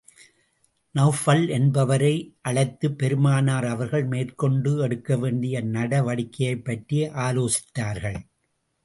நெளபல் என்பவரை அழைத்துப் பெருமானார் அவர்கள் மேற்கொண்டு எடுக்க வேண்டிய நடவடிக்கையைப் பற்றி ஆலோசித்தார்கள்.